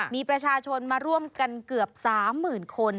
มีประชาชนมาร่วมกันเกือบ๓๐๐๐คน